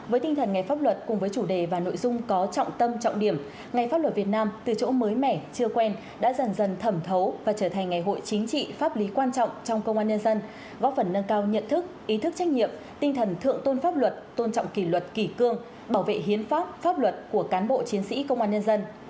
với tinh thần ngày pháp luật cùng với chủ đề và nội dung có trọng tâm trọng điểm ngày pháp luật việt nam từ chỗ mới mẻ chưa quen đã dần dần thẩm thấu và trở thành ngày hội chính trị pháp lý quan trọng trong công an nhân dân góp phần nâng cao nhận thức ý thức trách nhiệm tinh thần thượng tôn pháp luật tôn trọng kỷ luật kỷ cương bảo vệ hiến pháp pháp luật của cán bộ chiến sĩ công an nhân dân